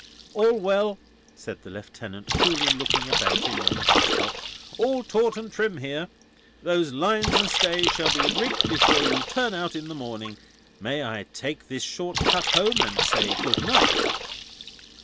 "All well!" said the Lieutenant, coolly looking about him on the housetop. "All taut and trim here. Those lines and stays shall be rigged before you turn out in the morning. May I take this short cut home, and say good night?"